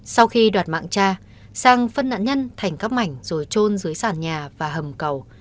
sau khi đoạt mạng cha sang phân nạn nhân thành các mảnh rồi trôn dưới sàn nhà và hầm cầu